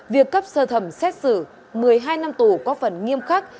việc cấp sơ thẩm xét xử một mươi hai năm tù có phần nghiêm khắc